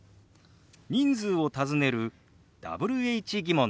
人数を尋ねるＷｈ−疑問です。